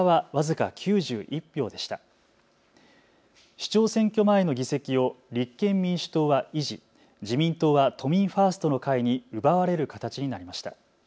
市長選挙前の議席を立憲民主党は維持、自民党は都民ファーストの会に奪われる形になりました。